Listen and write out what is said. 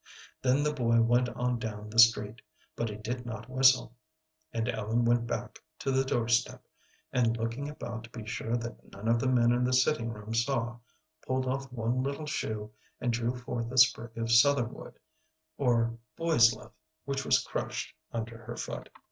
Then the boy went on down the street, but he did not whistle, and Ellen went back to the doorstep, and, looking about to be sure that none of the men in the sitting room saw, pulled off one little shoe and drew forth a sprig of southernwood, or boy's love, which was crushed under her foot.